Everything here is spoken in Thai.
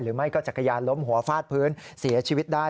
ไม่ก็จักรยานล้มหัวฟาดพื้นเสียชีวิตได้